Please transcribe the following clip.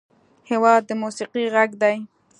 هېواد د موسیقۍ غږ دی.